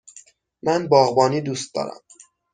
من باغبانی دوست دارم.